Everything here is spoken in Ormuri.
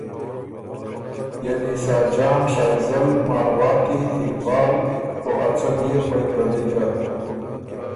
یعنی ساجان، شائزل، مارواتی، اقبال او ا څۀ بيې خوئ پردئ ګه